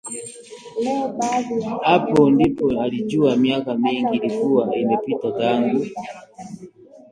Hapo ndipo alijua miaka mingi ilikuwa imepita tangu